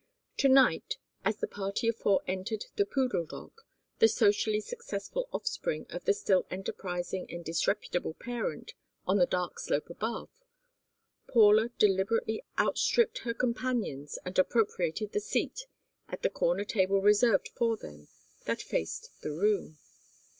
To night, as the party of four entered The Poodle Dog the socially successful offspring of the still enterprising and disreputable parent on the dark slope above Paula deliberately outstripped her companions and appropriated the seat, at the corner table reserved for them, that faced the room.